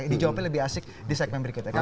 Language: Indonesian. ini jawabannya lebih asik di segmen berikutnya